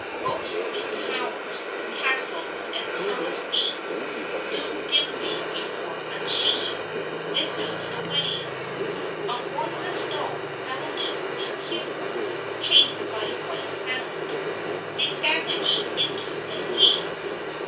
Ghostly towers, castles, and palace gates loomed dimly before Usheen, then melted away. A hornless doe bounded near him, chased by a white hound. They vanished into the haze.